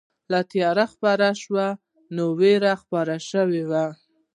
لا تیاره خپره شوې نه وه، خو وېره خپره شوې وه.